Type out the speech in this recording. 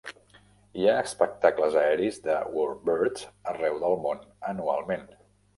Hi ha espectacles aeris de "warbirds" arreu del món anualment.